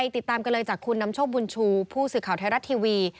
ติดตามกันเลยจากคุณนำโชคบุญชูผู้สื่อข่าวไทยรัฐทีวี